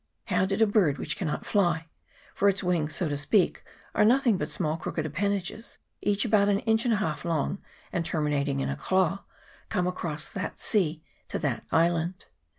How did a bird which cannot fly for its wings, so to speak, are nothing but small crooked appendages, each about an inch and a half long, and terminating in a claw come across the sea to that island